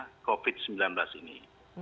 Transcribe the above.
karena covid sembilan belas ini